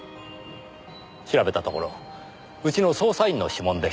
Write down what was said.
調べたところうちの捜査員の指紋でした。